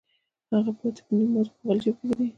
هغه پاتې نیم مزد په خپل جېب کې ږدي